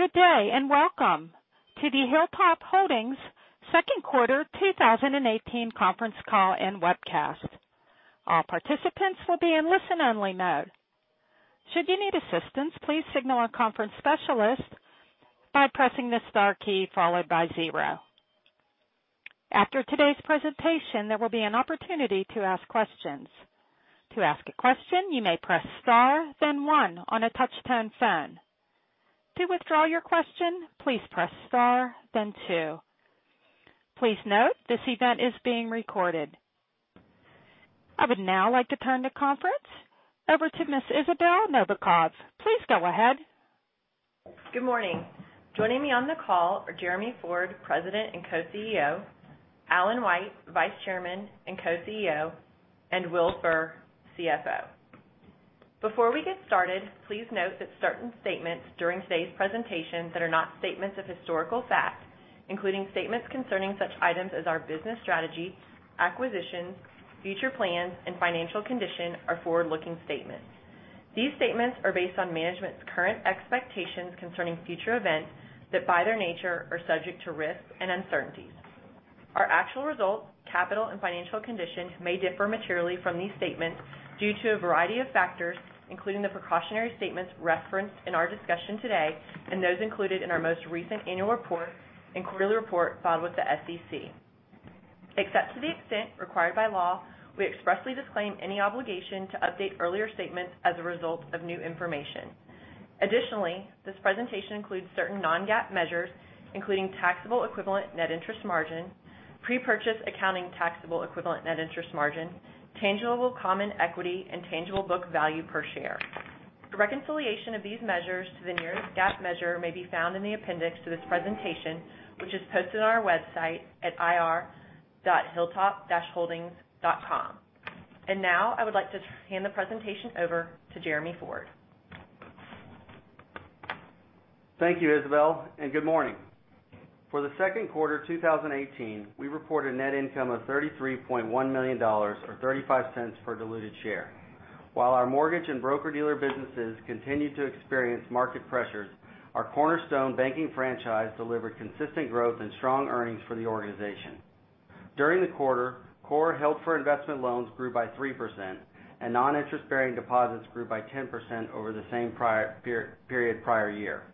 Good day, and welcome to the Hilltop Holdings second quarter 2018 conference call and webcast. All participants will be in listen-only mode. Should you need assistance, please signal our conference specialist by pressing the star key followed by zero. After today's presentation, there will be an opportunity to ask questions. To ask a question, you may press star, then one on a touch-tone phone. To withdraw your question, please press star, then two. Please note, this event is being recorded. I would now like to turn the conference over to Ms. Isabell Novakov. Please go ahead. Good morning. Joining me on the call are Jeremy Ford, President and Co-CEO, Alan White, Vice Chairman and Co-CEO, and Will Furr, CFO. Before we get started, please note that certain statements during today's presentation that are not statements of historical fact, including statements concerning such items as our business strategy, acquisitions, future plans, and financial condition are forward-looking statements. These statements are based on management's current expectations concerning future events that, by their nature, are subject to risks and uncertainties. Our actual results, capital, and financial condition may differ materially from these statements due to a variety of factors, including the precautionary statements referenced in our discussion today, and those included in our most recent annual report and quarterly report filed with the SEC. Except to the extent required by law, we expressly disclaim any obligation to update earlier statements as a result of new information. Additionally, this presentation includes certain non-GAAP measures, including taxable equivalent net interest margin, prepurchase accounting taxable equivalent net interest margin, tangible common equity, and tangible book value per share. A reconciliation of these measures to the nearest GAAP measure may be found in the appendix to this presentation, which is posted on our website at ir.hilltop-holdings.com. Now, I would like to hand the presentation over to Jeremy Ford. Thank you, Isabelle, and good morning. For the second quarter of 2018, we reported net income of $33.1 million, or $0.35 per diluted share. While our mortgage and broker-dealer businesses continued to experience market pressures, our cornerstone banking franchise delivered consistent growth and strong earnings for the organization. During the quarter, core held for investment loans grew by 3%, and non-interest-bearing deposits grew by 10% over the same period prior year.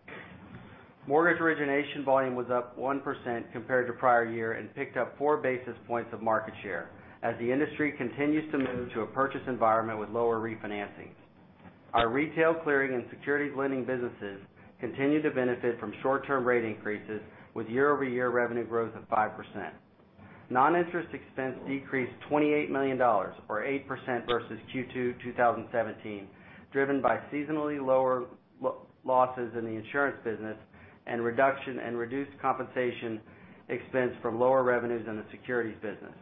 Mortgage origination volume was up 1% compared to prior year and picked up 4 basis points of market share as the industry continues to move to a purchase environment with lower refinancing. Our retail clearing and securities lending businesses continue to benefit from short-term rate increases with year-over-year revenue growth of 5%. Non-interest expense decreased $28 million, or 8% versus Q2 2017, driven by seasonally lower losses in the insurance business and reduction in reduced compensation expense from lower revenues in the securities business.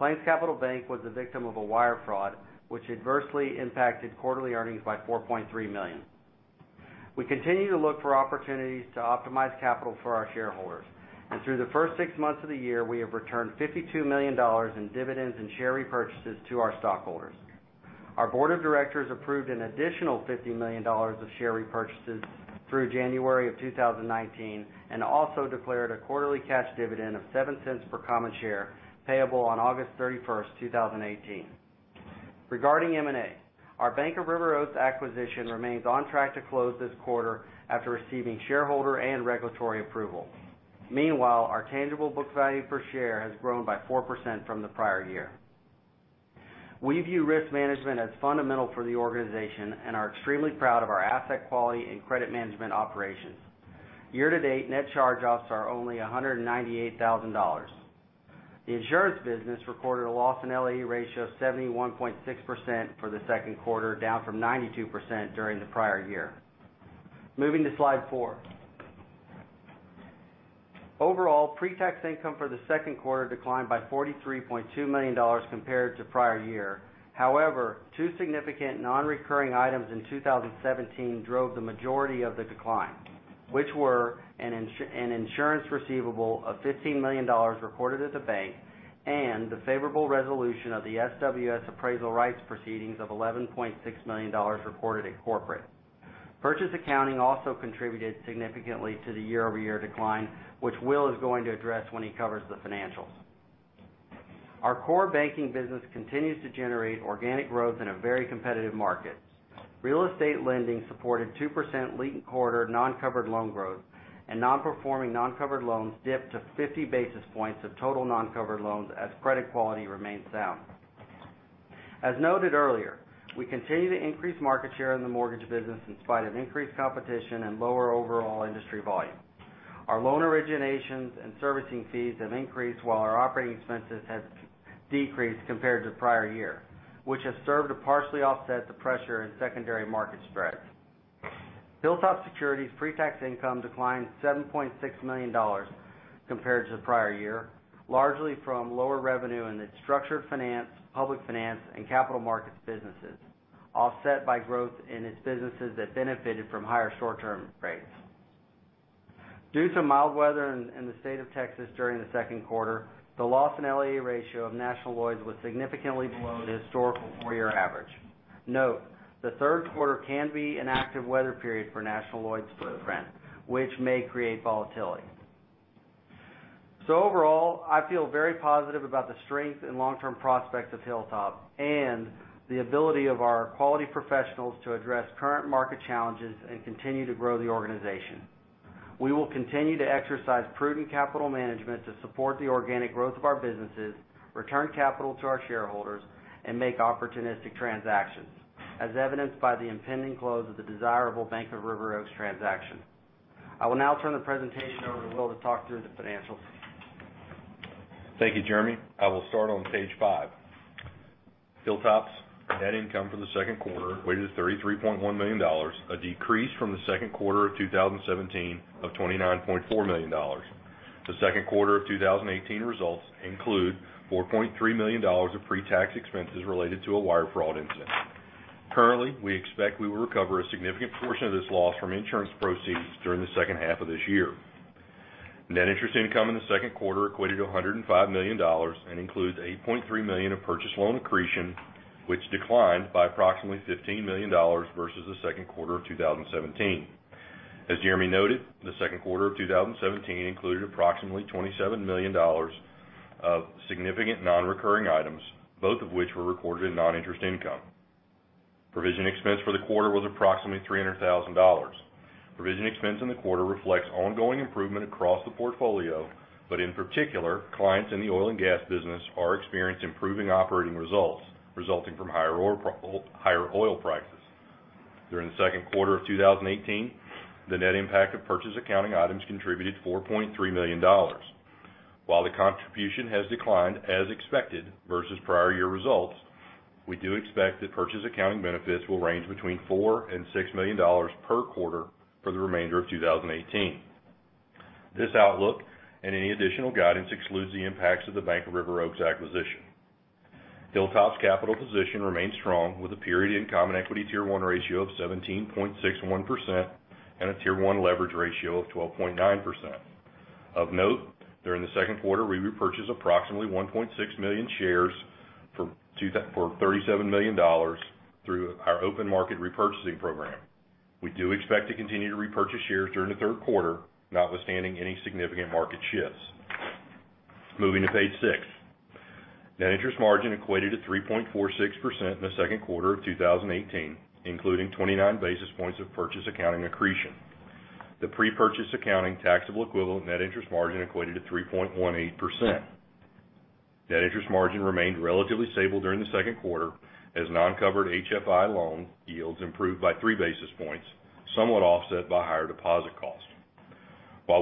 PlainsCapital Bank was a victim of a wire fraud, which adversely impacted quarterly earnings by $4.3 million. We continue to look for opportunities to optimize capital for our shareholders, and through the first six months of the year, we have returned $52 million in dividends and share repurchases to our stockholders. Our board of directors approved an additional $50 million of share repurchases through January of 2019 and also declared a quarterly cash dividend of $0.07 per common share, payable on August 31st, 2018. Regarding M&A, our Bank of River Oaks acquisition remains on track to close this quarter after receiving shareholder and regulatory approval. Our tangible book value per share has grown by 4% from the prior year. We view risk management as fundamental for the organization and are extremely proud of our asset quality and credit management operations. Year-to-date, net charge-offs are only $198,000. The insurance business recorded a LAE ratio of 71.6% for the second quarter, down from 92% during the prior year. Moving to slide four. Pre-tax income for the second quarter declined by $43.2 million compared to prior year. However, two significant non-recurring items in 2017 drove the majority of the decline, which were an insurance receivable of $15 million recorded at the bank and the favorable resolution of the SWS appraisal rights proceedings of $11.6 million recorded at corporate. Purchase accounting also contributed significantly to the year-over-year decline, which Will is going to address when he covers the financials. Our core banking business continues to generate organic growth in a very competitive market. Real estate lending supported 2% linked-quarter non-covered loan growth, and non-performing non-covered loans dipped to 50 basis points of total non-covered loans as credit quality remains sound. As noted earlier, we continue to increase market share in the mortgage business in spite of increased competition and lower overall industry volume. Our loan originations and servicing fees have increased while our operating expenses have decreased compared to the prior year, which has served to partially offset the pressure in secondary market spreads. Hilltop Securities' pre-tax income declined $7.6 million compared to the prior year, largely from lower revenue in its structured finance, public finance, and capital markets businesses, offset by growth in its businesses that benefited from higher short-term rates. Due to mild weather in the state of Texas during the second quarter, the loss and LAE ratio of National Lloyds was significantly below the historical four-year average. Note, the third quarter can be an active weather period for National Lloyds' footprint, which may create volatility. Overall, I feel very positive about the strength and long-term prospects of Hilltop and the ability of our quality professionals to address current market challenges and continue to grow the organization. We will continue to exercise prudent capital management to support the organic growth of our businesses, return capital to our shareholders, and make opportunistic transactions, as evidenced by the impending close of the desirable Bank of River Oaks transaction. I will now turn the presentation over to Will to talk through the financials. Thank you, Jeremy. I will start on page five. Hilltop's net income for the second quarter equated to $33.1 million, a decrease from the second quarter of 2017 of $29.4 million. The second quarter of 2018 results include $4.3 million of pre-tax expenses related to a wire fraud incident. Currently, we expect we will recover a significant portion of this loss from insurance proceeds during the second half of this year. Net interest income in the second quarter equated to $105 million and includes $8.3 million of purchase loan accretion, which declined by approximately $15 million versus the second quarter of 2017. As Jeremy noted, the second quarter of 2017 included approximately $27 million of significant non-recurring items, both of which were recorded in non-interest income. Provision expense for the quarter was approximately $300,000. Provision expense in the quarter reflects ongoing improvement across the portfolio. In particular, clients in the oil and gas business are experiencing improving operating results, resulting from higher oil prices. During the second quarter of 2018, the net impact of purchase accounting items contributed $4.3 million. While the contribution has declined as expected versus prior year results, we do expect that purchase accounting benefits will range between $4 million and $6 million per quarter for the remainder of 2018. This outlook and any additional guidance excludes the impacts of The Bank of River Oaks acquisition. Hilltop's capital position remains strong, with a period end common equity tier 1 ratio of 17.61% and a tier 1 leverage ratio of 12.9%. Of note, during the second quarter, we repurchased approximately 1.6 million shares for $37 million through our open market repurchasing program. We do expect to continue to repurchase shares during the third quarter, notwithstanding any significant market shifts. Moving to page six. Net interest margin equated to 3.46% in the second quarter of 2018, including 29 basis points of purchase accounting accretion. The pre-purchase accounting taxable equivalent net interest margin equated to 3.18%. Net interest margin remained relatively stable during the second quarter as non-covered HFI loan yields improved by three basis points, somewhat offset by higher deposit costs.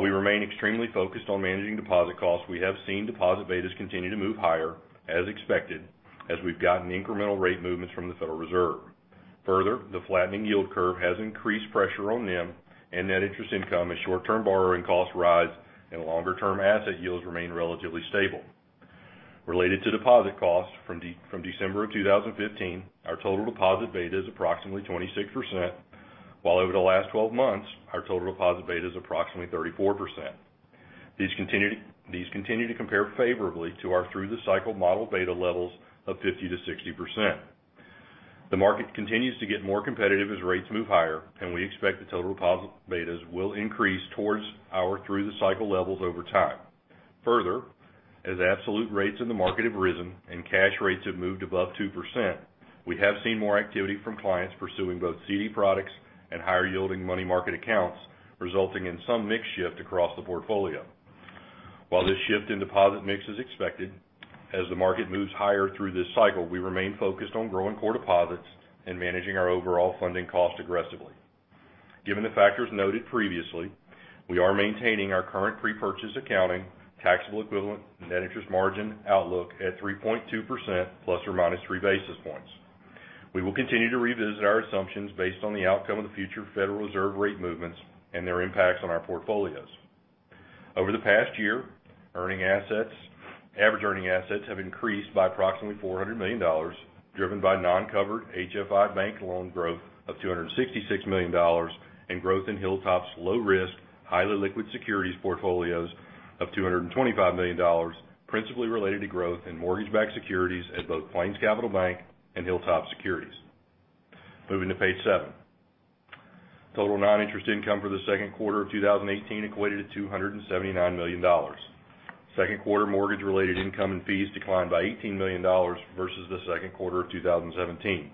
We remain extremely focused on managing deposit costs, we have seen deposit betas continue to move higher, as expected, as we've gotten incremental rate movements from the Federal Reserve. Further, the flattening yield curve has increased pressure on NIM and net interest income as short-term borrowing costs rise and longer-term asset yields remain relatively stable. Related to deposit costs from December of 2015, our total deposit beta is approximately 26%, while over the last 12 months, our total deposit beta is approximately 34%. These continue to compare favorably to our through the cycle model beta levels of 50%-60%. The market continues to get more competitive as rates move higher. We expect the total deposit betas will increase towards our through the cycle levels over time. As absolute rates in the market have risen and cash rates have moved above 2%, we have seen more activity from clients pursuing both CD products and higher yielding money market accounts, resulting in some mix shift across the portfolio. This shift in deposit mix is expected, as the market moves higher through this cycle, we remain focused on growing core deposits and managing our overall funding cost aggressively. Given the factors noted previously, we are maintaining our current pre-purchase accounting taxable equivalent net interest margin outlook at 3.2% ±3 basis points. We will continue to revisit our assumptions based on the outcome of the future Federal Reserve rate movements and their impacts on our portfolios. Over the past year, average earning assets have increased by approximately $400 million, driven by non-covered HFI bank loan growth of $266 million and growth in Hilltop's low risk, highly liquid securities portfolios of $225 million, principally related to growth in mortgage-backed securities at both PlainsCapital Bank and Hilltop Securities. Moving to page seven. Total non-interest income for the second quarter of 2018 equated to $279 million. Second quarter mortgage-related income and fees declined by $18 million versus the second quarter of 2017.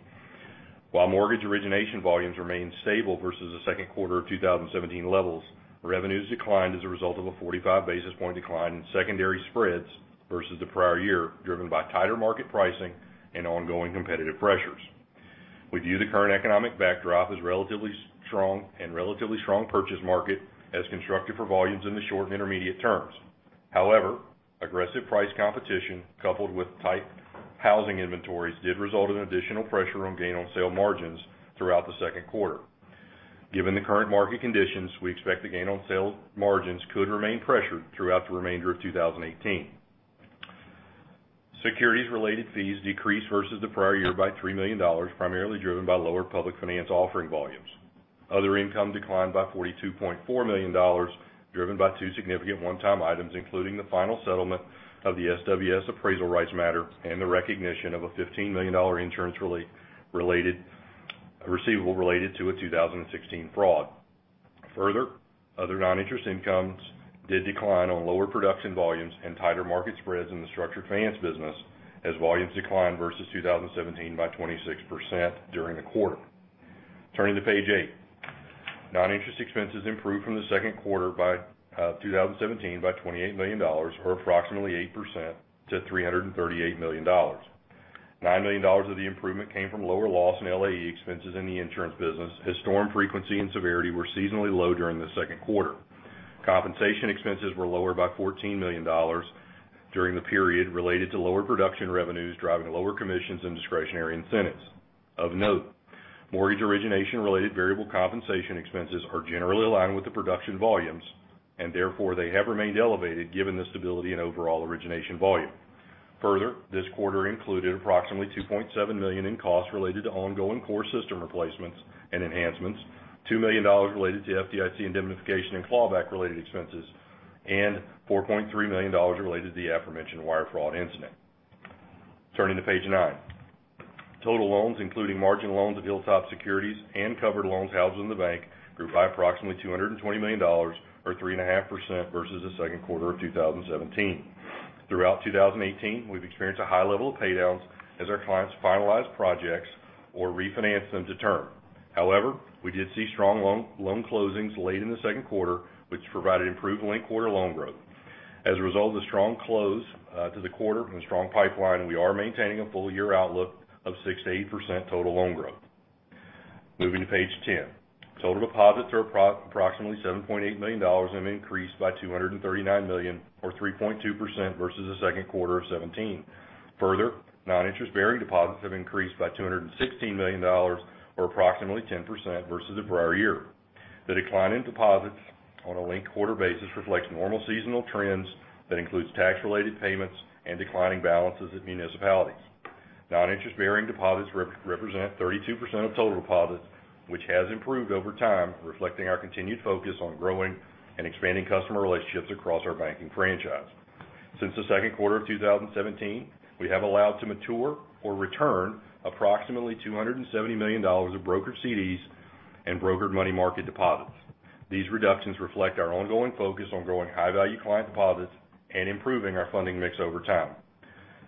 While mortgage origination volumes remained stable versus the second quarter of 2017 levels, revenues declined as a result of a 45 basis point decline in secondary spreads versus the prior year, driven by tighter market pricing and ongoing competitive pressures. We view the current economic backdrop as relatively strong and relatively strong purchase market as constructive for volumes in the short and intermediate terms. However, aggressive price competition coupled with tight housing inventories did result in additional pressure on gain on sale margins throughout the second quarter. Given the current market conditions, we expect the gain on sale margins could remain pressured throughout the remainder of 2018. Securities-related fees decreased versus the prior year by $3 million, primarily driven by lower public finance offering volumes. Other income declined by $42.4 million, driven by two significant one-time items, including the final settlement of the SWS appraisal rights matter, and the recognition of a $15 million insurance receivable related to a 2016 fraud. Further, other non-interest incomes did decline on lower production volumes and tighter market spreads in the structured finance business, as volumes declined versus 2017 by 26% during the quarter. Turning to page eight. Non-interest expenses improved from the second quarter of 2017 by $28 million, or approximately 8%, to $338 million. $9 million of the improvement came from lower loss and LAE expenses in the insurance business, as storm frequency and severity were seasonally low during the second quarter. Compensation expenses were lower by $14 million during the period related to lower production revenues, driving lower commissions and discretionary incentives. Of note, mortgage origination-related variable compensation expenses are generally aligned with the production volumes, and therefore, they have remained elevated given the stability in overall origination volume. Further, this quarter included approximately $2.7 million in costs related to ongoing core system replacements and enhancements, $2 million related to FDIC indemnification and clawback-related expenses, and $4.3 million related to the aforementioned wire fraud incident. Turning to page nine. Total loans, including marginal loans of Hilltop Securities and covered loans housed in the bank, grew by approximately $220 million, or 3.5%, versus the second quarter of 2017. Throughout 2018, we've experienced a high level of pay-downs as our clients finalize projects or refinance them to term. However, we did see strong loan closings late in the second quarter, which provided improved linked quarter loan growth. As a result of the strong close to the quarter from the strong pipeline, we are maintaining a full-year outlook of 6%-8% total loan growth. Moving to page 10. Total deposits are approximately $7.8 billion, and increased by $239 million, or 3.2%, versus the second quarter of 2017. Further, non-interest-bearing deposits have increased by $216 million, or approximately 10%, versus the prior year. The decline in deposits on a linked-quarter basis reflects normal seasonal trends that includes tax-related payments and declining balances at municipalities. Non-interest-bearing deposits represent 32% of total deposits, which has improved over time, reflecting our continued focus on growing and expanding customer relationships across our banking franchise. Since the second quarter of 2017, we have allowed to mature or return approximately $270 million of brokered CDs and brokered money market deposits. These reductions reflect our ongoing focus on growing high-value client deposits and improving our funding mix over time.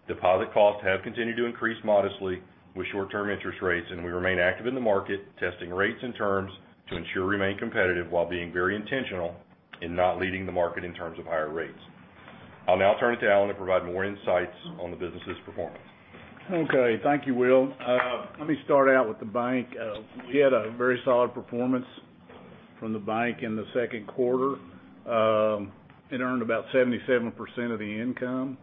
Deposit costs have continued to increase modestly with short-term interest rates, and we remain active in the market, testing rates and terms to ensure we remain competitive while being very intentional in not leading the market in terms of higher rates. I'll now turn it to Alan to provide more insights on the business's performance. Okay. Thank you, Will. Let me start out with the bank. We had a very solid performance from the bank in the second quarter. It earned about 77% of the income,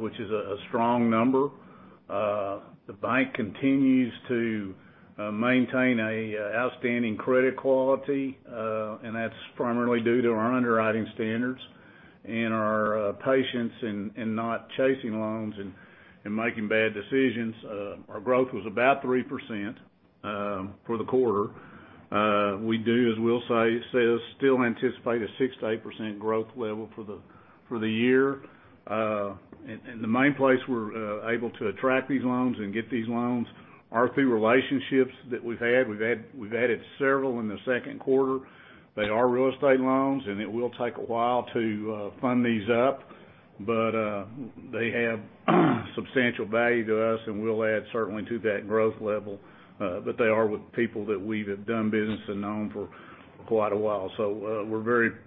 which is a strong number. The bank continues to maintain outstanding credit quality, and that's primarily due to our underwriting standards and our patience in not chasing loans and making bad decisions. Our growth was about 3% for the quarter. We do, as Will says, still anticipate a 6%-8% growth level for the year. The main place we're able to attract these loans and get these loans are through relationships that we've had. We've added several in the second quarter. They are real estate loans, and it will take a while to fund these up. They have substantial value to us, and will add certainly to that growth level. They are with people that we have done business and known for quite a while. We're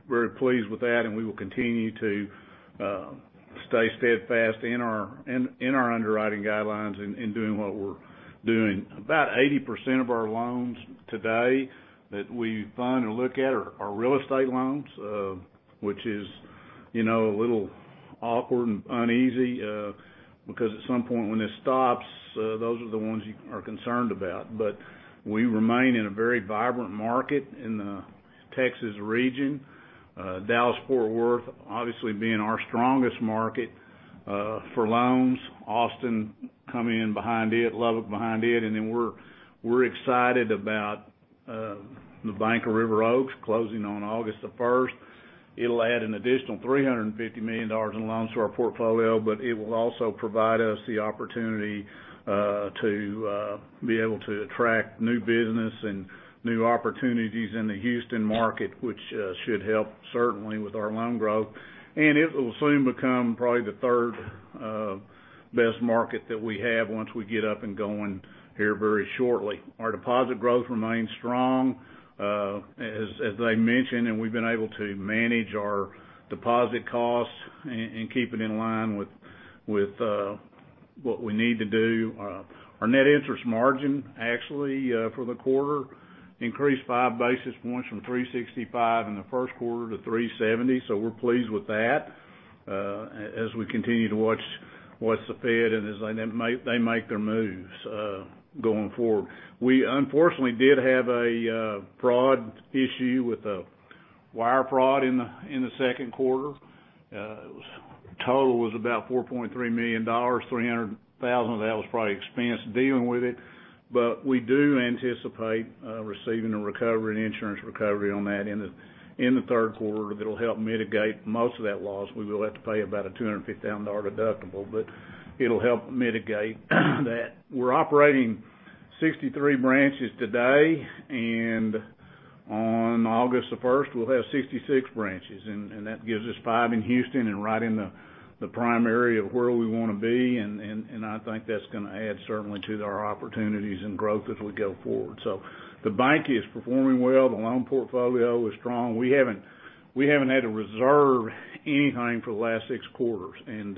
very pleased with that, and we will continue to stay steadfast in our underwriting guidelines in doing what we're doing. About 80% of our loans today that we fund or look at are real estate loans, which is a little awkward and uneasy, because at some point when it stops, those are the ones you are concerned about. We remain in a very vibrant market in the Texas region. Dallas, Fort Worth, obviously being our strongest market for loans. Austin come in behind it, Lubbock behind it, and then we're excited about The Bank of River Oaks closing on August 1st. It'll add an additional $350 million in loans to our portfolio. It will also provide us the opportunity to be able to attract new business and new opportunities in the Houston market, which should help certainly with our loan growth. It will soon become probably the third best market that we have once we get up and going here very shortly. Our deposit growth remains strong, as I mentioned, and we've been able to manage our deposit costs and keep it in line with what we need to do. Our net interest margin, actually, for the quarter, increased five basis points from 365 in the first quarter to 370, so we're pleased with that, as we continue to watch the Fed and as they make their moves going forward. We unfortunately did have a fraud issue with a wire fraud in the second quarter. Total was about $4.3 million, $300,000 of that was probably expense dealing with it. We do anticipate receiving a recovery, an insurance recovery on that in the third quarter that'll help mitigate most of that loss. We will have to pay about a $250,000 deductible, but it'll help mitigate that. We're operating 63 branches today, and on August the 1st, we'll have 66 branches, and that gives us five in Houston and right in the prime area of where we want to be. I think that's going to add certainly to our opportunities and growth as we go forward. The bank is performing well. The loan portfolio is strong. We haven't had to reserve anything for the last six quarters, and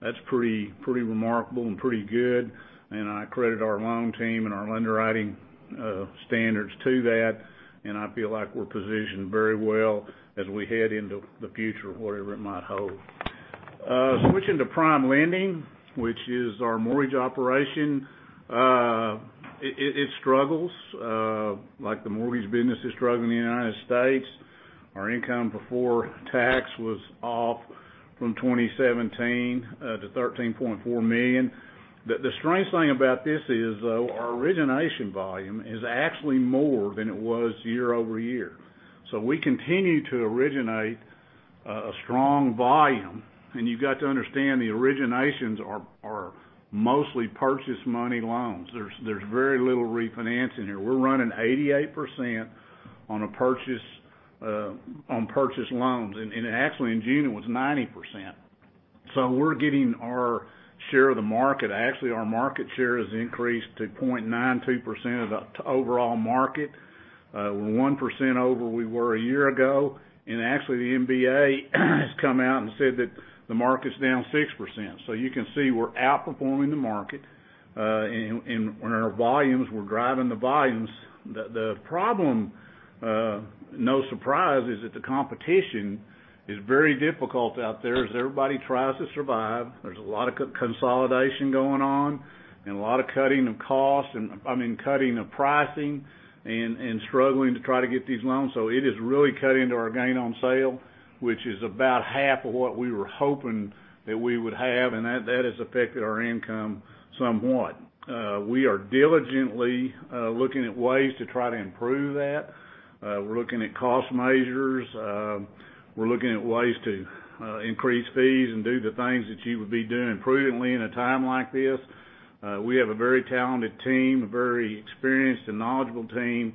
that's pretty remarkable and pretty good. I credit our loan team and our underwriting standards to that, and I feel like we're positioned very well as we head into the future, whatever it might hold. Switching to PrimeLending, which is our mortgage operation. It struggles, like the mortgage business is struggling in the U.S. Our income before tax was off from 2017 to $13.4 million. The strange thing about this is, though, our origination volume is actually more than it was year-over-year. We continue to originate a strong volume. You've got to understand, the originations are mostly purchase money loans. There's very little refinancing here. We're running 88% on purchase loans. Actually, in June, it was 90%. We're getting our share of the market. Actually, our market share has increased to 0.92% of the overall market, 1% over we were a year ago. Actually, the MBA has come out and said that the market's down 6%. You can see we're outperforming the market, and our volumes, we're driving the volumes. The problem, no surprise, is that the competition is very difficult out there as everybody tries to survive. There's a lot of consolidation going on and a lot of cutting of costs and, I mean, cutting of pricing and struggling to try to get these loans. It is really cutting into our gain on sale, which is about half of what we were hoping that we would have, and that has affected our income somewhat. We are diligently looking at ways to try to improve that. We're looking at cost measures. We're looking at ways to increase fees and do the things that you would be doing prudently in a time like this. We have a very talented team, a very experienced and knowledgeable team.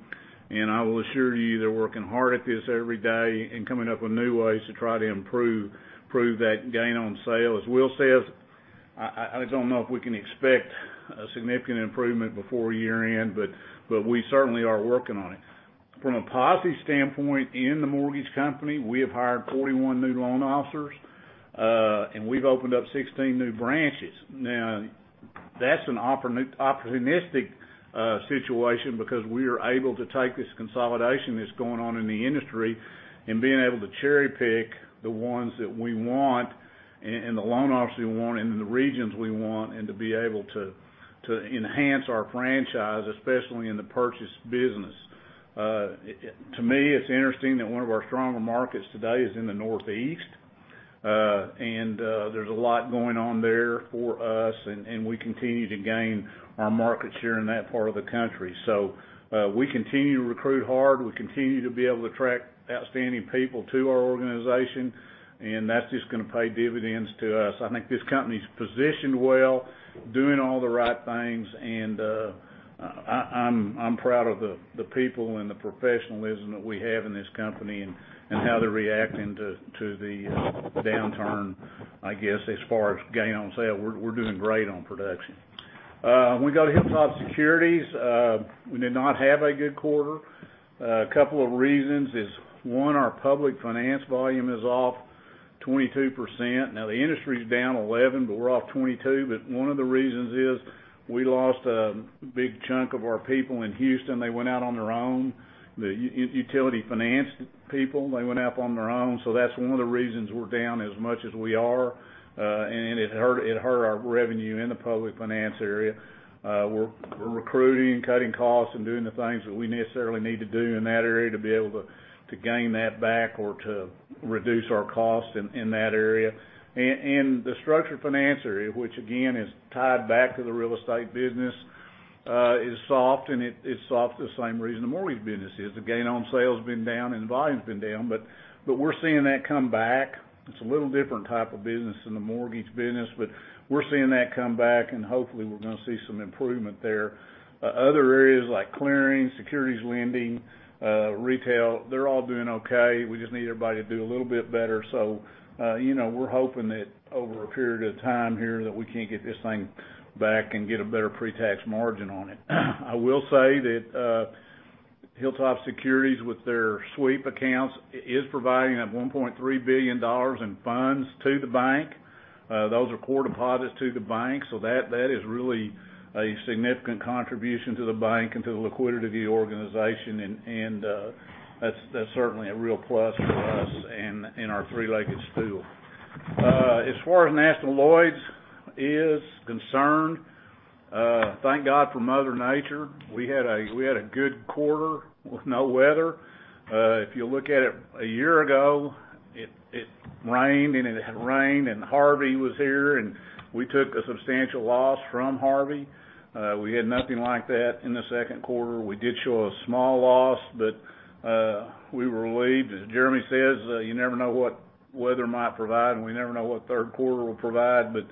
I will assure you, they're working hard at this every day and coming up with new ways to try to improve that gain on sale. As Will says, I don't know if we can expect a significant improvement before year-end. We certainly are working on it. From a posse standpoint in the mortgage company, we have hired 41 new loan officers, and we've opened up 16 new branches. That's an opportunistic situation because we are able to take this consolidation that's going on in the industry and being able to cherry-pick the ones that we want and the loan officers we want in the regions we want, and to be able to enhance our franchise, especially in the purchase business. To me, it's interesting that one of our stronger markets today is in the Northeast. There's a lot going on there for us, and we continue to gain our market share in that part of the country. We continue to recruit hard. We continue to be able to attract outstanding people to our organization, and that's just going to pay dividends to us. I think this company's positioned well, doing all the right things, and I'm proud of the people and the professionalism that we have in this company and how they're reacting to the downturn, I guess, as far as gain on sale. We're doing great on production. We go to Hilltop Securities. We did not have a good quarter. A couple of reasons is, one, our public finance volume is off 22%. The industry's down 11, but we're off 22. One of the reasons is we lost a big chunk of our people in Houston. They went out on their own. The utility finance people, they went out on their own. That's one of the reasons we're down as much as we are. It hurt our revenue in the public finance area. We're recruiting, cutting costs, and doing the things that we necessarily need to do in that area to be able to gain that back or to reduce our costs in that area. The structured finance area, which again, is tied back to the real estate business, is soft, and it's soft the same reason the mortgage business is. The gain on sale's been down, and the volume's been down. We're seeing that come back. It's a little different type of business than the mortgage business. We're seeing that come back, and hopefully, we're going to see some improvement there. Other areas like clearing, securities lending, retail, they're all doing okay. We just need everybody to do a little bit better. We're hoping that over a period of time here, that we can get this thing back and get a better pre-tax margin on it. I will say that Hilltop Securities, with their sweep accounts, is providing that $1.3 billion in funds to the bank. Those are core deposits to the bank. That is really a significant contribution to the bank and to the liquidity of the organization, and that's certainly a real plus for us in our three-legged stool. As far as National Lloyds is concerned, thank God for Mother Nature. We had a good quarter with no weather. If you look at it a year ago, it rained and it had rained, and Harvey was here, and we took a substantial loss from Harvey. We had nothing like that in the second quarter. We did show a small loss, but we were relieved. As Jeremy says, you never know what weather might provide, and we never know what third quarter will provide, but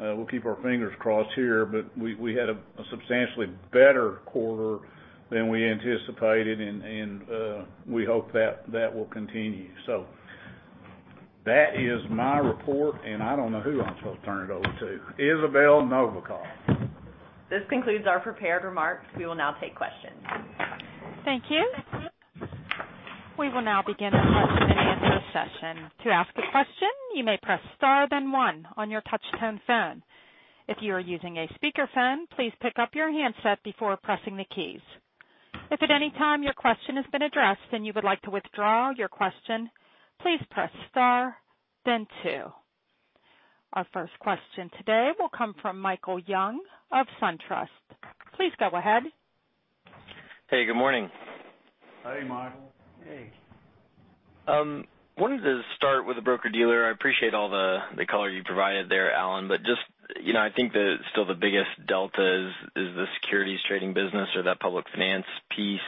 we will keep our fingers crossed here. We had a substantially better quarter than we anticipated, and we hope that will continue. That is my report, and I don't know who I'm supposed to turn it over to. Isabelle Novikov. This concludes our prepared remarks. We will now take questions. Thank you. We will now begin the question and answer session. To ask a question, you may press star then one on your touch tone phone. If you are using a speakerphone, please pick up your handset before pressing the keys. If at any time your question has been addressed and you would like to withdraw your question, please press star then two. Our first question today will come from Michael Young of SunTrust. Please go ahead. Hey, good morning. Hey, Michael. Hey. Wanted to start with the broker-dealer. I appreciate all the color you provided there, Alan. I think that still the biggest delta is the securities trading business or that public finance piece.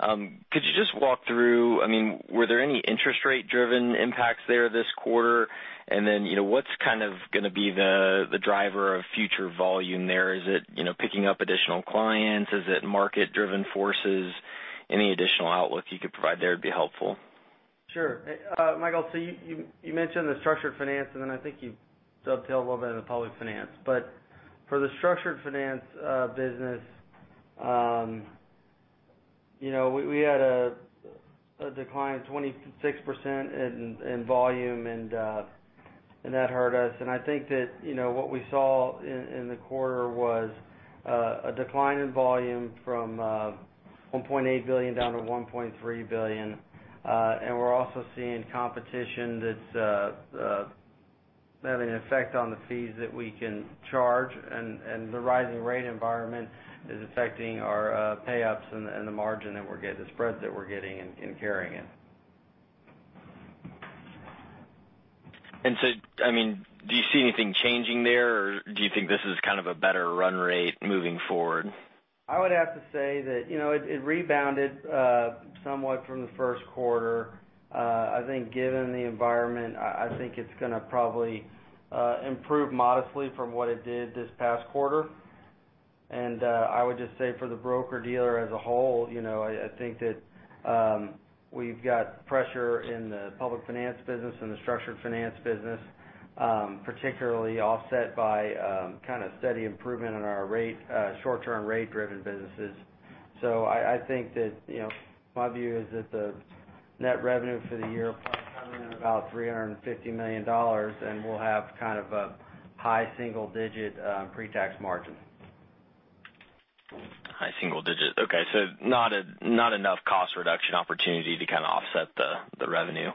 Could you just walk through, were there any interest rate driven impacts there this quarter? What's going to be the driver of future volume there? Is it picking up additional clients? Is it market driven forces? Any additional outlook you could provide there would be helpful. Sure. Michael, you mentioned the structured finance, I think you dovetailed a little bit into public finance. For the structured finance business, we had a decline of 26% in volume, and that hurt us. I think that what we saw in the quarter was a decline in volume from $1.8 billion down to $1.3 billion. We're also seeing competition that's having an effect on the fees that we can charge, and the rising rate environment is affecting our payups and the margin that we're getting, the spread that we're getting in carrying it. Do you see anything changing there, or do you think this is kind of a better run rate moving forward? I would have to say that it rebounded somewhat from the first quarter. I think given the environment, I think it's going to probably improve modestly from what it did this past quarter. I would just say for the broker-dealer as a whole, I think that we've got pressure in the public finance business and the structured finance business, particularly offset by steady improvement in our short-term rate driven businesses. I think that my view is that the net revenue for the year will probably come in at about $350 million, and we'll have kind of a high single digit pretax margin. High single digit. Okay. Not enough cost reduction opportunity to kind of offset the revenue.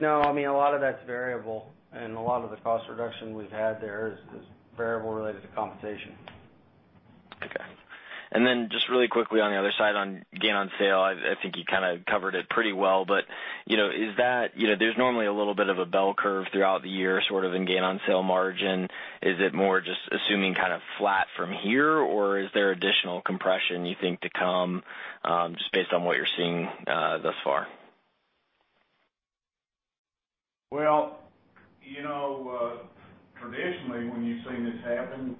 No, a lot of that's variable, and a lot of the cost reduction we've had there is variable related to compensation. Okay. Then just really quickly on the other side on gain on sale, I think you kind of covered it pretty well. There's normally a little bit of a bell curve throughout the year sort of in gain on sale margin. Is it more just assuming kind of flat from here, or is there additional compression you think to come, just based on what you're seeing thus far? Well, traditionally when you've seen this happen,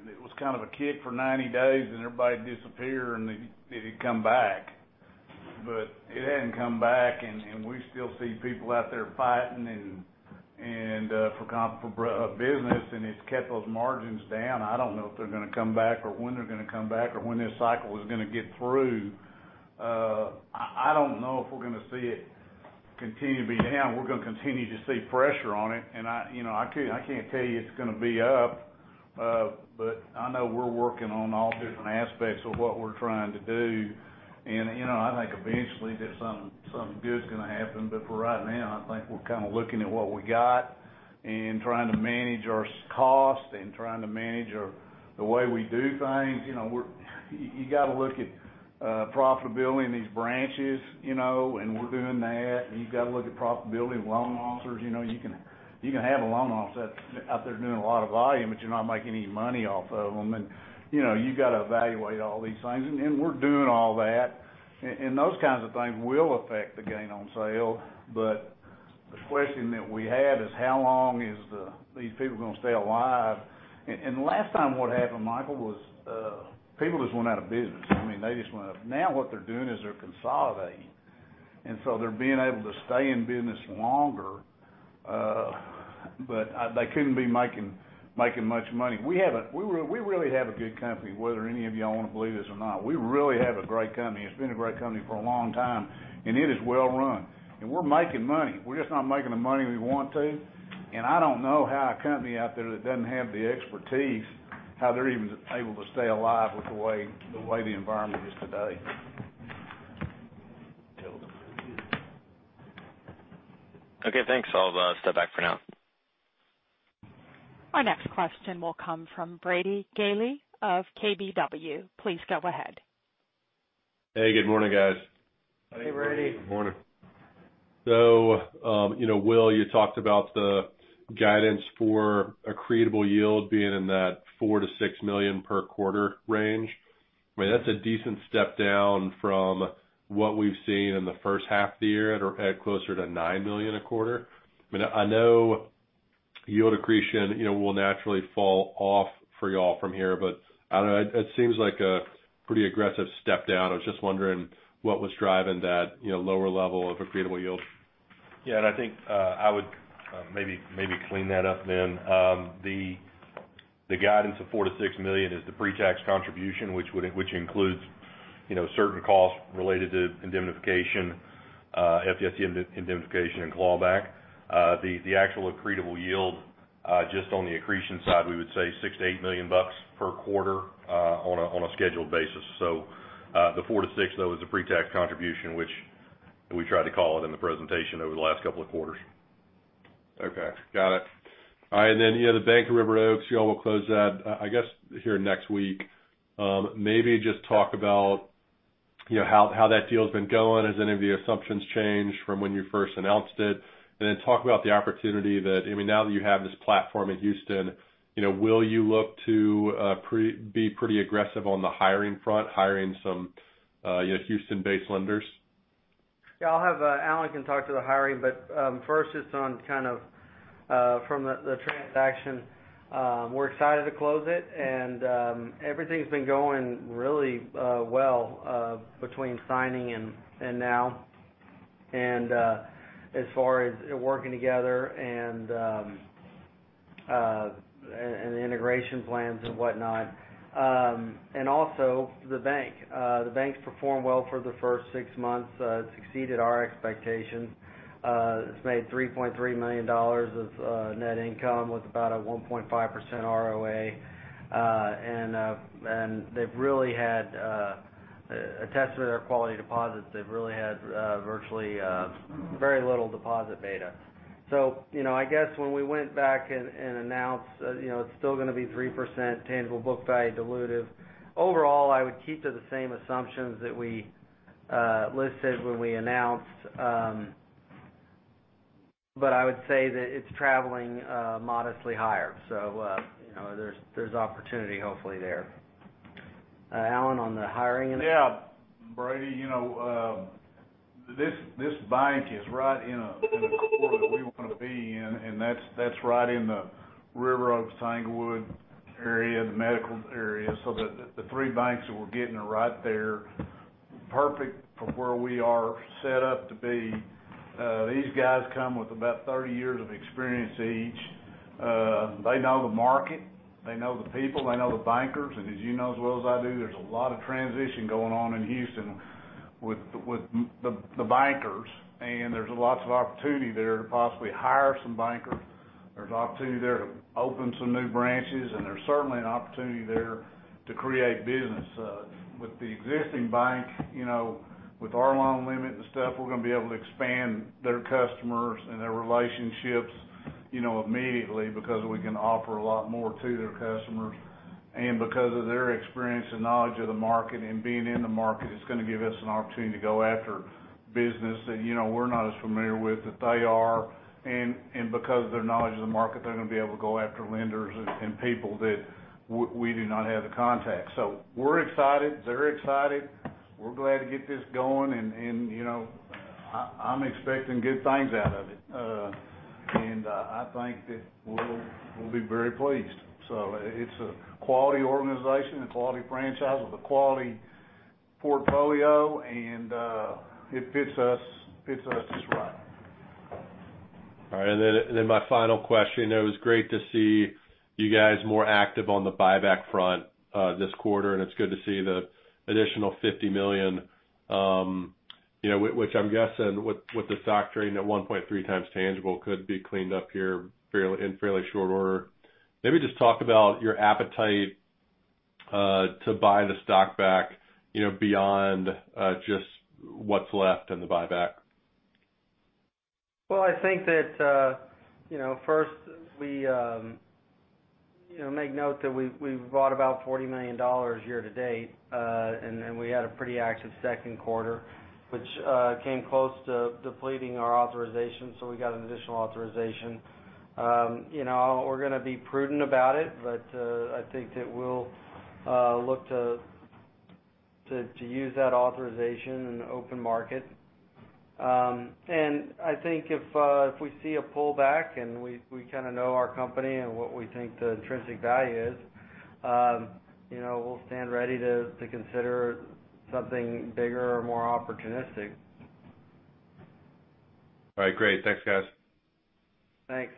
and it was kind of a kick for 90 days, and everybody disappear, and it'd come back. It hadn't come back, and we still see people out there fighting for business, and it's kept those margins down. I don't know if they're going to come back or when they're going to come back or when this cycle is going to get through. I don't know if we're going to see it continue to be down. We're going to continue to see pressure on it. I can't tell you it's going to be up. I know we're working on all different aspects of what we're trying to do. I think eventually that something good's going to happen. For right now, I think we're kind of looking at what we got and trying to manage our cost and trying to manage the way we do things. You got to look at profitability in these branches, and we're doing that, and you've got to look at profitability of loan officers. You can have a loan officer out there doing a lot of volume, but you're not making any money off of them. You've got to evaluate all these things, and we're doing all that. Those kinds of things will affect the gain on sale. The question that we had is how long is these people going to stay alive? Last time what happened, Michael Rose, was people just went out of business. They just went out of business. Now what they're doing is they're consolidating, and so they're being able to stay in business longer. They couldn't be making much money. We really have a good company, whether any of y'all want to believe this or not. We really have a great company. It's been a great company for a long time, and it is well run. We're making money. We're just not making the money we want to. I don't know how a company out there that doesn't have the expertise, how they're even able to stay alive with the way the environment is today. Okay, thanks. I'll step back for now. Our next question will come from Brady Gailey of KBW. Please go ahead. Hey, good morning, guys. Hey, Brady. Good morning. Will, you talked about the guidance for accretable yield being in that $4 million to $6 million per quarter range. That's a decent step down from what we've seen in the first half of the year at closer to $9 million a quarter. I know yield accretion will naturally fall off for you all from here, but it seems like a pretty aggressive step down. I was just wondering what was driving that lower level of accretable yield. I think I would maybe clean that up then. The guidance of $4 million to $6 million is the pre-tax contribution, which includes certain costs related to FDIC indemnification and clawback. The actual accretable yield, just on the accretion side, we would say $6 million to $8 million per quarter on a scheduled basis. The $4 million to $6 million, though, is the pre-tax contribution, which we tried to call it in the presentation over the last couple of quarters. The Bank of River Oaks, you all will close that, I guess, here next week. Maybe just talk about how that deal's been going. Has any of the assumptions changed from when you first announced it? Then talk about the opportunity that now that you have this platform at Houston, will you look to be pretty aggressive on the hiring front, hiring some Houston-based lenders? Alan can talk to the hiring, first just on from the transaction. We're excited to close it, everything's been going really well between signing and now, as far as working together and the integration plans and whatnot. Also the bank. The bank's performed well for the first six months, exceeded our expectations. It's made $3.3 million of net income with about a 1.5% ROA. A testament to their quality deposits, they've really had virtually very little deposit beta. I guess when we went back and announced it's still going to be 3% tangible book value dilutive, overall, I would keep to the same assumptions that we listed when we announced. I would say that it's traveling modestly higher. There's opportunity hopefully there. Alan, on the hiring end. Yeah. Brady Gailey, this bank is right in a core that we want to be in, that's right in the River Oaks, Tanglewood area, the medical area. The three banks that we're getting are right there, perfect for where we are set up to be. These guys come with about 30 years of experience each. They know the market, they know the people, they know the bankers. As you know as well as I do, there's a lot of transition going on in Houston with the bankers, there's lots of opportunity there to possibly hire some bankers. There's opportunity there to open some new branches, there's certainly an opportunity there to create business. With the existing bank, with our loan limit and stuff, we're going to be able to expand their customers and their relationships immediately because we can offer a lot more to their customers. Because of their experience and knowledge of the market and being in the market, it's going to give us an opportunity to go after business that we're not as familiar with, that they are. Because of their knowledge of the market, they're going to be able to go after lenders and people that we do not have the contacts. We're excited. They're excited. We're glad to get this going, I'm expecting good things out of it. I think that we'll be very pleased. It's a quality organization, a quality franchise with a quality portfolio, and it fits us just right. All right. My final question, it was great to see you guys more active on the buyback front this quarter, it's good to see the additional $50 million, which I'm guessing with the stock trading at 1.3 times tangible could be cleaned up here in fairly short order. Maybe just talk about your appetite to buy the stock back, beyond just what's left in the buyback. Well, I think that first we make note that we've bought about $40 million year to date. We had a pretty active second quarter, which came close to depleting our authorization, we got an additional authorization. We're going to be prudent about it, I think that we'll look to use that authorization in an open market. I think if we see a pullback and we kind of know our company and what we think the intrinsic value is, we'll stand ready to consider something bigger or more opportunistic. All right, great. Thanks, guys. Thanks.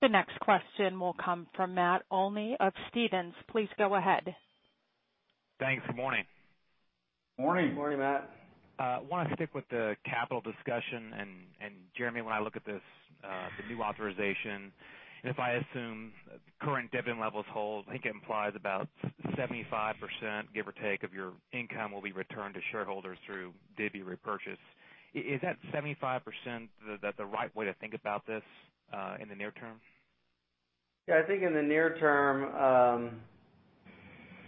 The next question will come from Matt Olney of Stephens. Please go ahead. Thanks. Good morning. Morning. Morning, Matt. I want to stick with the capital discussion. Jeremy, when I look at this, the new authorization, and if I assume current dividend levels hold, I think it implies about 75%, give or take, of your income will be returned to shareholders through divvy repurchase. Is that 75%, is that the right way to think about this in the near term? Yeah,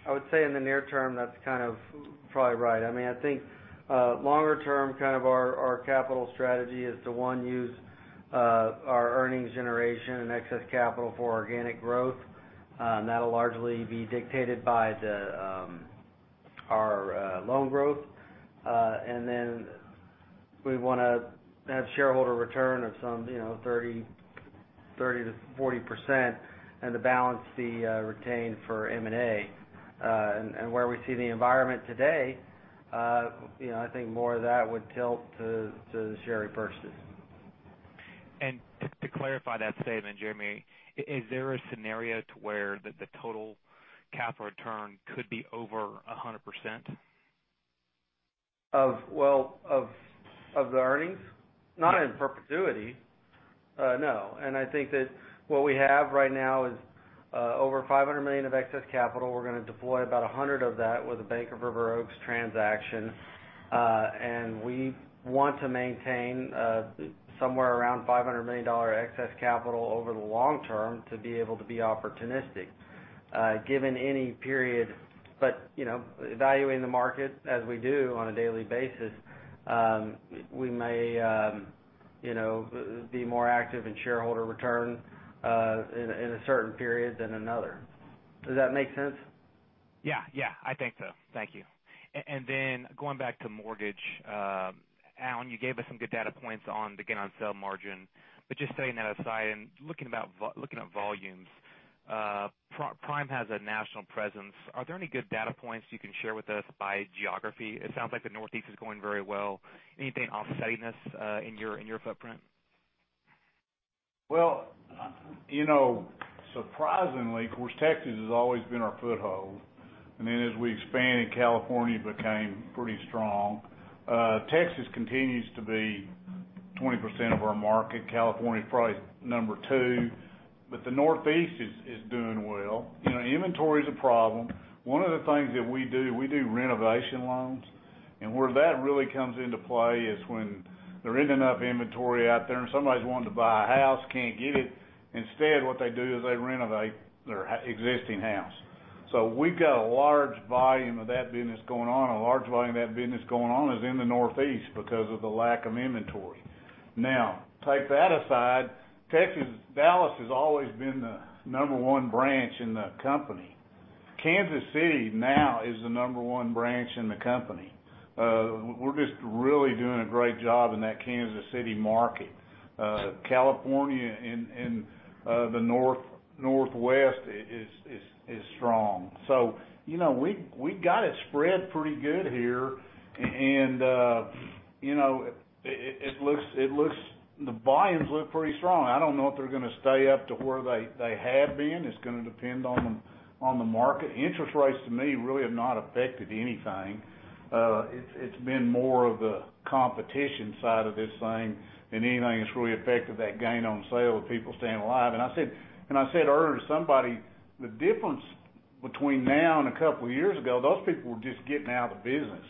I would say in the near term, that's kind of probably right. I think longer term, our capital strategy is to, one, use our earnings generation and excess capital for organic growth. That'll largely be dictated by our loan growth. We want to have shareholder return of some 30%-40% and to balance the retain for M&A. Where we see the environment today, I think more of that would tilt to the share repurchase. To clarify that statement, Jeremy, is there a scenario to where the total capital return could be over 100%? Of the earnings? Yeah. Not in perpetuity, no. I think that what we have right now is over $500 million of excess capital. We're going to deploy about $100 of that with The Bank of River Oaks transaction. We want to maintain somewhere around $500 million excess capital over the long term to be able to be opportunistic given any period. Evaluating the market as we do on a daily basis, we may be more active in shareholder return in a certain period than another. Does that make sense? Yeah. I think so. Thank you. Going back to mortgage. Alan, you gave us some good data points on the gain on sale margin. Just setting that aside and looking at volumes, Prime has a national presence. Are there any good data points you can share with us by geography? It sounds like the Northeast is going very well. Anything offsetting this in your footprint? Well, surprisingly, of course Texas has always been our foothold. As we expanded, California became pretty strong. Texas continues to be 20% of our market. California is probably number 2, the Northeast is doing well. Inventory is a problem. One of the things that we do, we do renovation loans. Where that really comes into play is when there isn't enough inventory out there and somebody's wanting to buy a house, can't get it. Instead, what they do is they renovate their existing house. We've got a large volume of that business going on. A large volume of that business going on is in the Northeast because of the lack of inventory. Take that aside. Texas, Dallas has always been the number 1 branch in the company. Kansas City now is the number 1 branch in the company. We're just really doing a great job in that Kansas City market. California and the Northwest is strong. We got it spread pretty good here, and the volumes look pretty strong. I don't know if they're going to stay up to where they have been. It's going to depend on the market. Interest rates to me really have not affected anything. It's been more of the competition side of this thing than anything that's really affected that gain on sale of people staying alive. I said earlier to somebody, the difference between now and a couple of years ago, those people were just getting out of the business.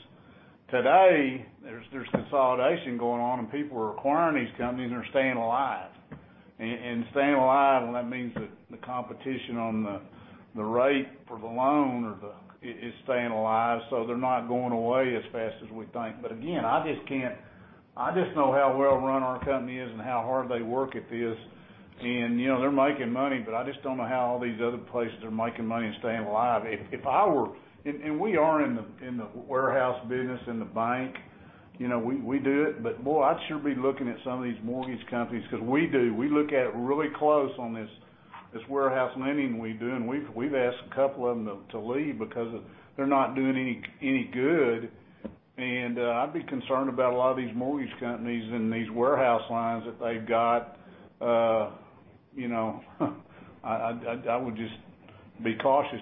Today, there's consolidation going on, and people are acquiring these companies, and they're staying alive. Staying alive, well, that means that the competition on the rate for the loan is staying alive, they're not going away as fast as we think. Again, I just know how well run our company is and how hard they work at this, and they're making money, but I just don't know how all these other places are making money and staying alive. We are in the warehouse business, in the bank. We do it, but, boy, I'd sure be looking at some of these mortgage companies because we do. We look at it really close on this warehouse lending we do, and we've asked a couple of them to leave because they're not doing any good. I'd be concerned about a lot of these mortgage companies and these warehouse lines that they've got. I would just be cautious,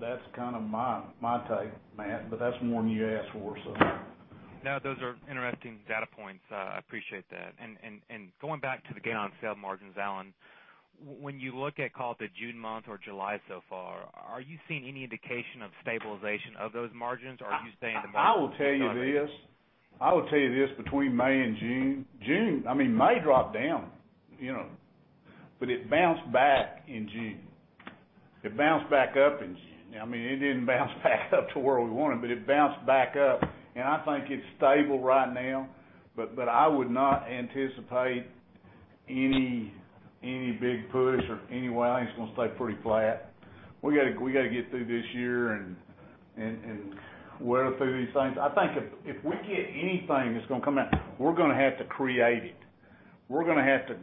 that's kind of my take, Matt. That's more than you asked for. No, those are interesting data points. I appreciate that. Going back to the gain on sale margins, Alan, when you look at call it the June month or July so far, are you seeing any indication of stabilization of those margins, or are you saying the margins? I will tell you this. Between May and June. I mean, May dropped down, but it bounced back in June. It bounced back up in June. It didn't bounce back up to where we want it, but it bounced back up. I think it's stable right now, I would not anticipate any big push or any way. I think it's going to stay pretty flat. We got to get through this year and weather through these things. I think if we get anything that's going to come out, we're going to have to create it. We're going to have to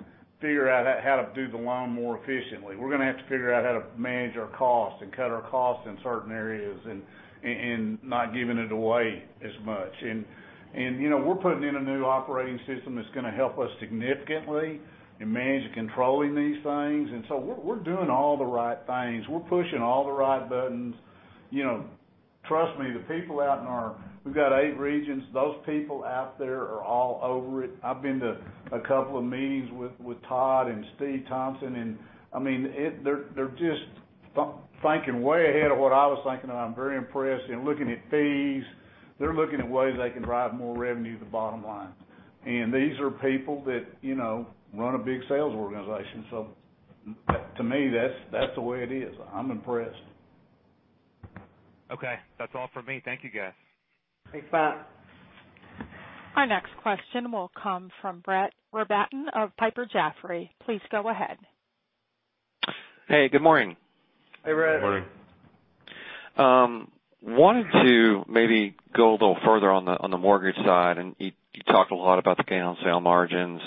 figure out how to do the loan more efficiently. We're going to have to figure out how to manage our costs and cut our costs in certain areas and not giving it away as much. We're putting in a new operating system that's going to help us significantly in managing, controlling these things. We're doing all the right things. We're pushing all the right buttons. Trust me, the people out in our-- We've got eight regions. Those people out there are all over it. I've been to a couple of meetings with Todd and Steve Thompson, and they're just thinking way ahead of what I was thinking, and I'm very impressed. They're looking at fees. They're looking at ways they can drive more revenue to the bottom line. These are people that run a big sales organization. To me, that's the way it is. I'm impressed. Okay, that's all for me. Thank you, guys. Thanks, Bob. Our next question will come from Brett Rabatin of Piper Jaffray. Please go ahead. Hey, good morning. Hey, Brett. Good morning. I wanted to maybe go a little further on the mortgage side, and you talked a lot about the gain on sale margins,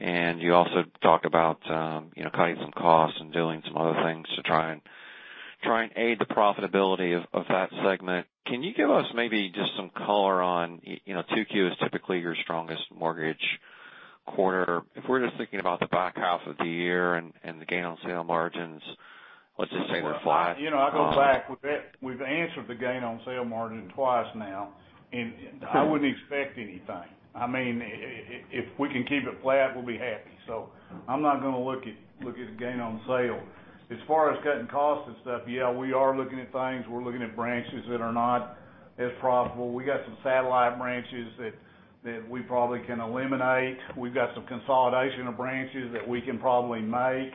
and you also talked about cutting some costs and doing some other things to try and aid the profitability of that segment. Can you give us maybe just some color on 2Q. 2Q is typically your strongest mortgage quarter. If we're just thinking about the back half of the year and the gain on sale margins, let's just say they're flat. I'll go back. We've answered the gain on sale margin twice now, and I wouldn't expect anything. If we can keep it flat, we'll be happy. I'm not going to look at the gain on sale. As far as cutting costs and stuff, yeah, we are looking at things. We're looking at branches that are not as profitable. We got some satellite branches that we probably can eliminate. We've got some consolidation of branches that we can probably make.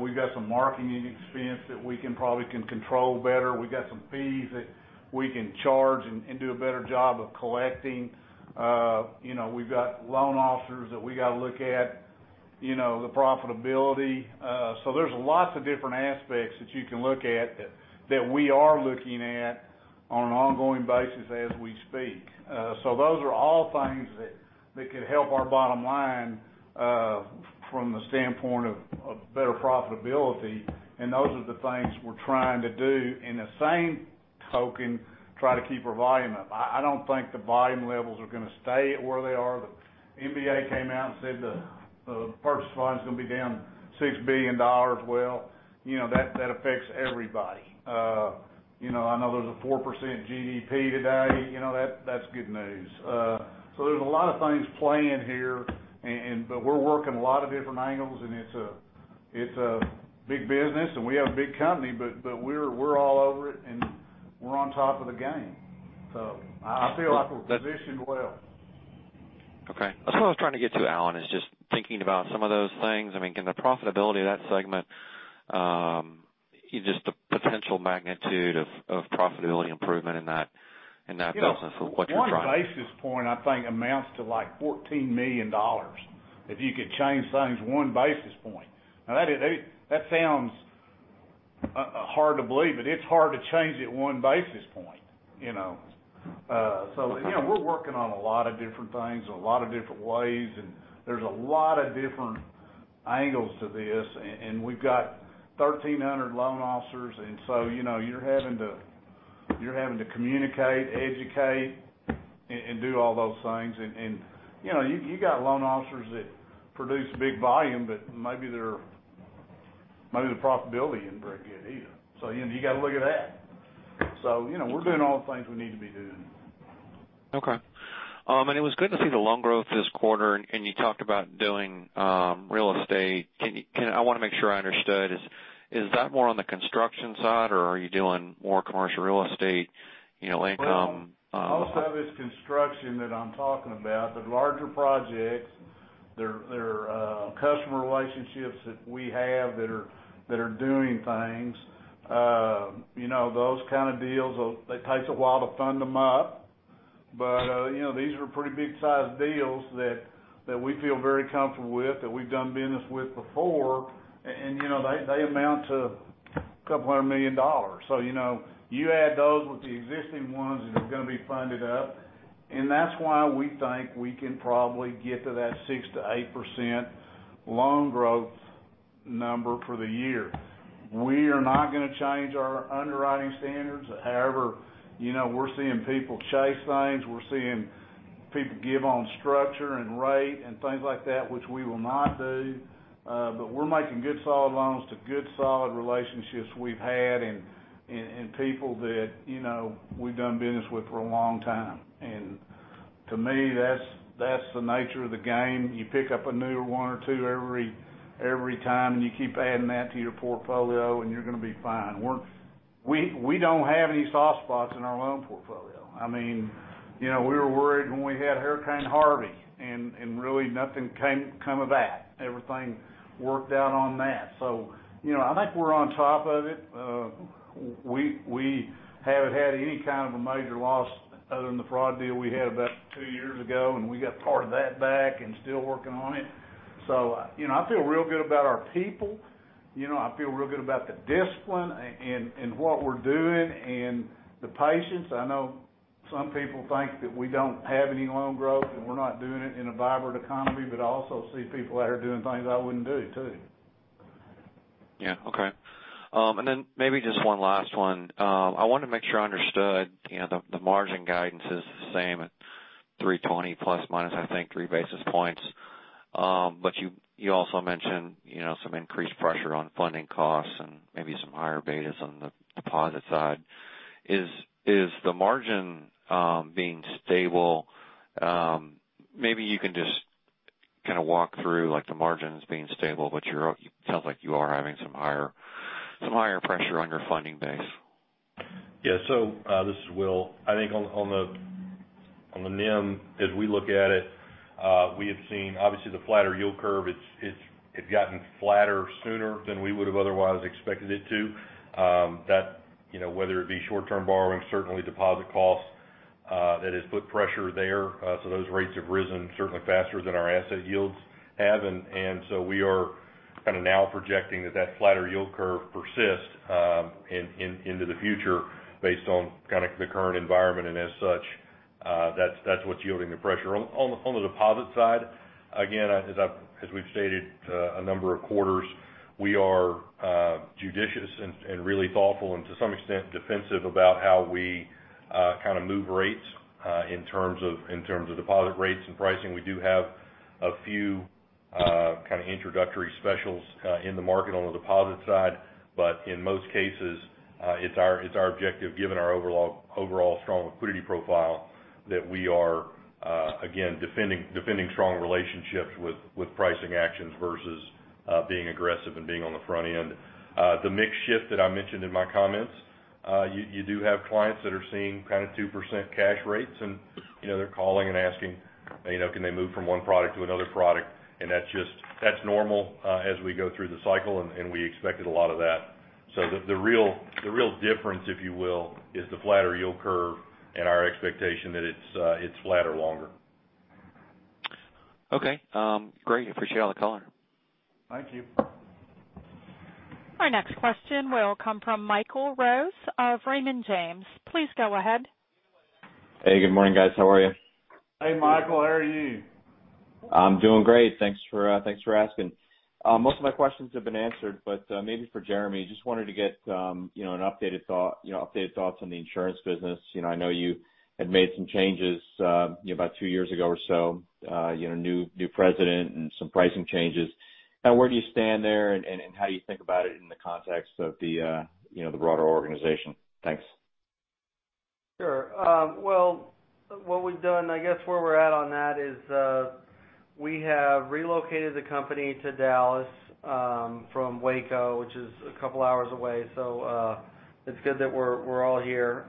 We've got some marketing expense that we can probably control better. We got some fees that we can charge and do a better job of collecting. We've got loan officers that we got to look at, the profitability. There's lots of different aspects that you can look at that we are looking at on an ongoing basis as we speak. Those are all things that could help our bottom line, from the standpoint of better profitability, and those are the things we're trying to do. In the same token, try to keep our volume up. I don't think the volume levels are going to stay at where they are. The MBA came out and said the purchase line is going to be down $6 billion. Well, that affects everybody. I know there's a 4% GDP today. That's good news. There's a lot of things playing here, but we're working a lot of different angles, and it's a big business, and we have a big company, but we're all over it, and we're on top of the game. I feel like we're positioned well. Okay. That's what I was trying to get to, Alan, is just thinking about some of those things. Can the profitability of that segment, just the potential magnitude of profitability improvement in that business with what you're trying-? One basis point, I think, amounts to like $14 million. If you could change things one basis point. Now, that sounds hard to believe, but it's hard to change it one basis point. We're working on a lot of different things, a lot of different ways, and there's a lot of different angles to this, and we've got 1,300 loan officers, and you're having to communicate, educate, and do all those things. You got loan officers that produce big volume, but maybe their profitability isn't very good either. You got to look at that. We're doing all the things we need to be doing. Okay. It was good to see the loan growth this quarter, and you talked about doing real estate. I want to make sure I understood. Is that more on the construction side, or are you doing more commercial real estate income? Most of it's construction that I'm talking about, the larger projects. There are customer relationships that we have that are doing things. Those kind of deals, they take a while to fund them up. These are pretty big sized deals that we feel very comfortable with, that we've done business with before, and they amount to $200 million. You add those with the existing ones that are going to be funded up, and that's why we think we can probably get to that 6%-8% loan growth number for the year. We are not going to change our underwriting standards. However, we're seeing people chase things. We're seeing people give on structure and rate and things like that, which we will not do. We're making good, solid loans to good, solid relationships we've had and people that we've done business with for a long time. To me, that's the nature of the game. You pick up a new one or two every time, and you keep adding that to your portfolio, and you're going to be fine. We don't have any soft spots in our loan portfolio. We were worried when we had Hurricane Harvey, and really nothing came of that. Everything worked out on that. I think we're on top of it. We haven't had any kind of a major loss other than the fraud deal we had about two years ago, and we got part of that back and still working on it. I feel real good about our people. I feel real good about the discipline and what we're doing and the patience. I know some people think that we don't have any loan growth, and we're not doing it in a vibrant economy, but I also see people out here doing things I wouldn't do, too. Maybe just one last one. I want to make sure I understood. The margin guidance is the same at 320 ±three basis points. You also mentioned some increased pressure on funding costs and maybe some higher betas on the deposit side. Is the margin being stable, maybe you can just Kind of walk through the margins being stable, but it sounds like you are having some higher pressure on your funding base. This is Will. On the NIM, as we look at it, we have seen, obviously, the flatter yield curve. It's gotten flatter sooner than we would've otherwise expected it to. That, whether it be short-term borrowing, certainly deposit costs, that has put pressure there. Those rates have risen certainly faster than our asset yields have. We are kind of now projecting that flatter yield curve persists into the future based on kind of the current environment. As such, that's what's yielding the pressure. On the deposit side, again, as we've stated a number of quarters, we are judicious and really thoughtful and, to some extent, defensive about how we kind of move rates, in terms of deposit rates and pricing. We do have a few kind of introductory specials in the market on the deposit side, but in most cases, it's our objective, given our overall strong liquidity profile, that we are, again, defending strong relationships with pricing actions versus being aggressive and being on the front end. The mix shift that I mentioned in my comments, you do have clients that are seeing kind of 2% cash rates and they're calling and asking can they move from one product to another product. That's normal as we go through the cycle, and we expected a lot of that. The real difference, if you will, is the flatter yield curve and our expectation that it's flatter longer. Okay. Great. Appreciate all the color. Thank you. Our next question will come from Michael Rose of Raymond James. Please go ahead. Hey, good morning, guys. How are you? Hey, Michael. How are you? I'm doing great. Thanks for asking. Most of my questions have been answered, but maybe for Jeremy, just wanted to get an updated thought on the insurance business. I know you had made some changes about two years ago or so. New president and some pricing changes. Where do you stand there, and how do you think about it in the context of the broader organization? Thanks. Sure. Well, what we've done, I guess where we're at on that is we have relocated the company to Dallas from Waco, which is a couple hours away. It's good that we're all here.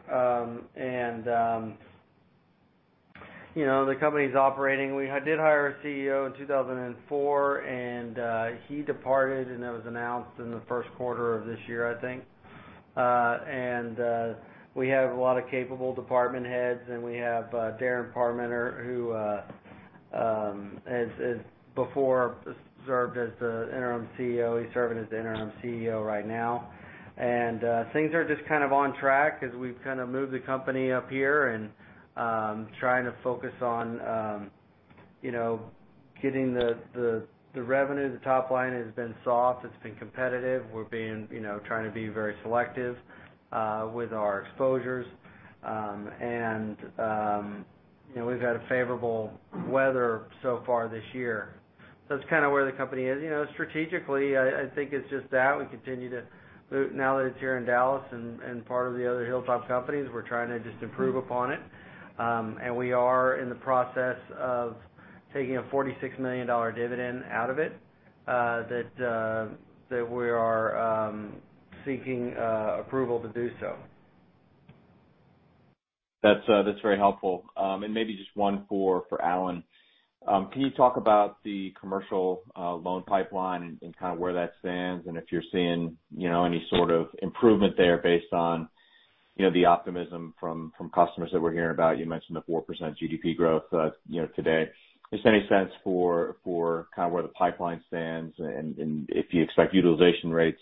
The company's operating. We did hire a CEO in 2004, and he departed, and that was announced in the first quarter of this year, I think. We have a lot of capable department heads, and we have Darren Parmenter, who before served as the interim CEO. He's serving as the interim CEO right now. Things are just kind of on track as we've kind of moved the company up here and trying to focus on getting the revenue. The top line has been soft. It's been competitive. We're trying to be very selective with our exposures. We've had a favorable weather so far this year. That's kind of where the company is. Strategically, I think it's just that. We continue to move. Now that it's here in Dallas and part of the other Hilltop companies, we're trying to just improve upon it. We are in the process of taking a $46 million dividend out of it, that we are seeking approval to do so. That's very helpful. Maybe just one for Alan. Can you talk about the commercial loan pipeline and kind of where that stands, and if you're seeing any sort of improvement there based on the optimism from customers that we're hearing about? You mentioned the 4% GDP growth today. Just any sense for kind of where the pipeline stands and if you expect utilization rates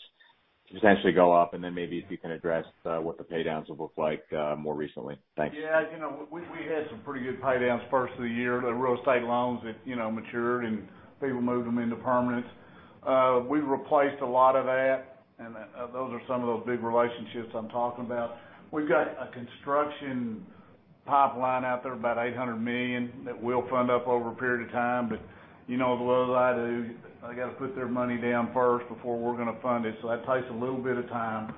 to potentially go up. Then maybe if you can address what the paydowns have looked like more recently. Thanks. Yeah. We had some pretty good paydowns first of the year. The real estate loans matured, and people moved them into permanents. We've replaced a lot of that, and those are some of those big relationships I'm talking about. We've got a construction pipeline out there, about $800 million, that we'll fund up over a period of time. You know as well as I do, they got to put their money down first before we're going to fund it, so that takes a little bit of time.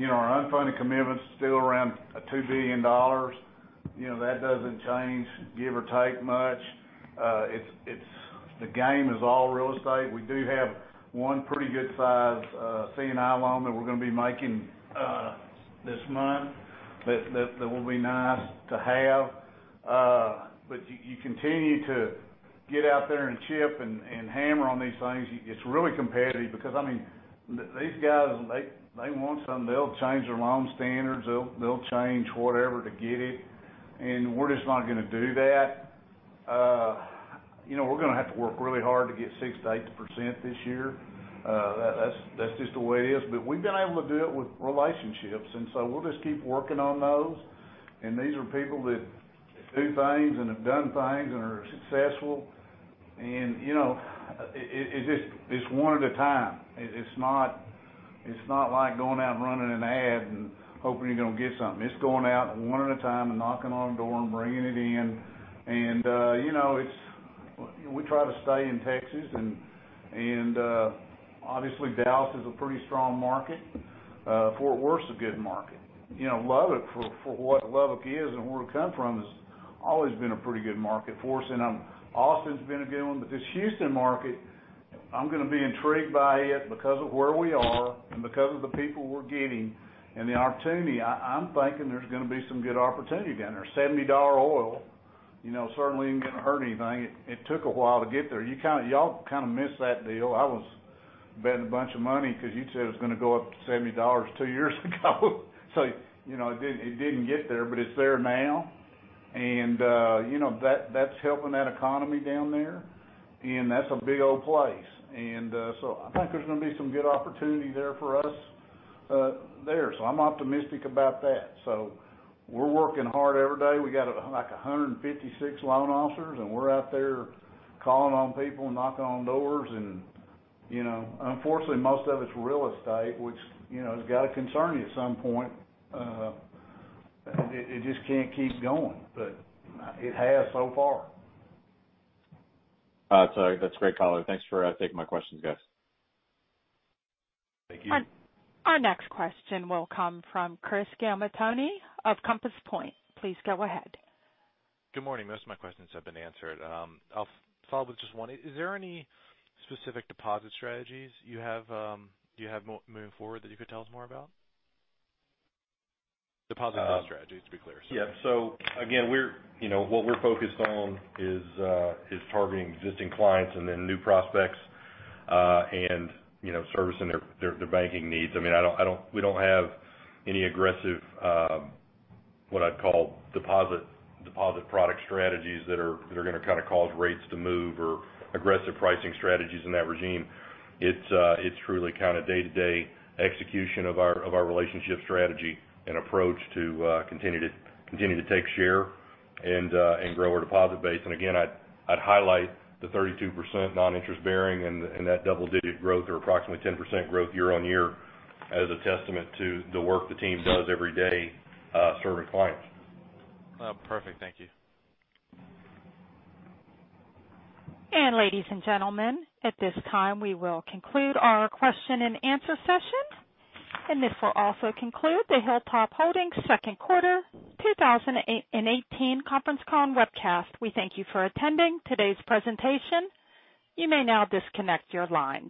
Our unfunded commitments are still around $2 billion. That doesn't change give or take much. The game is all real estate. We do have one pretty good size C&I loan that we're going to be making this month, that will be nice to have. You continue to get out there and chip and hammer on these things. It's really competitive because, I mean, these guys, they want something, they'll change their loan standards, they'll change whatever to get it, and we're just not going to do that. We're going to have to work really hard to get 6%-8% this year. That's just the way it is. We've been able to do it with relationships, so we'll just keep working on those. These are people that do things, and have done things, and are successful. It's just one at a time. It's not like going out and running an ad and hoping you're going to get something. It's going out one at a time and knocking on a door and bringing it in. We try to stay in Texas, and obviously, Dallas is a pretty strong market. Fort Worth's a good market. Lubbock, for what Lubbock is and where it come from, has always been a pretty good market for us. Austin's been a good one. This Houston market, I'm going to be intrigued by it because of where we are and because of the people we're getting and the opportunity. I'm thinking there's going to be some good opportunity down there. $70 oil certainly ain't going to hurt anything. It took a while to get there. You all kind of missed that deal. I was betting a bunch of money because you said it was going to go up to $70 two years ago. It didn't get there, but it's there now, and that's helping that economy down there, and that's a big old place. I think there's going to be some good opportunity there for us there. I'm optimistic about that. We're working hard every day. We got, like, 156 loan officers, and we're out there calling on people and knocking on doors, and unfortunately, most of it's real estate, which has got to concern you at some point. It just can't keep going, but it has so far. That's great, color. Thanks for taking my questions, guys. Thank you. Our next question will come from Chris Gamaitoni of Compass Point. Please go ahead. Good morning. Most of my questions have been answered. I'll follow up with just one. Is there any specific deposit strategies you have moving forward that you could tell us more about? Deposit strategies, to be clear, sorry. Again, what we're focused on is targeting existing clients and then new prospects, and servicing their banking needs. We don't have any aggressive, what I'd call deposit product strategies that are going to cause rates to move or aggressive pricing strategies in that regime. It's truly day-to-day execution of our relationship strategy and approach to continue to take share and grow our deposit base. Again, I'd highlight the 32% non-interest bearing and that double-digit growth or approximately 10% growth year-on-year as a testament to the work the team does every day serving clients. Perfect. Thank you. Ladies and gentlemen, at this time, we will conclude our question and answer session. This will also conclude the Hilltop Holdings second quarter 2018 conference call and webcast. We thank you for attending today's presentation. You may now disconnect your line.